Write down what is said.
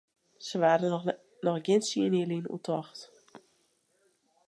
Sa waard dêr noch gjin tsien jier lyn oer tocht.